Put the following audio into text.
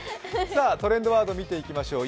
トレンドワード見ていきましょう。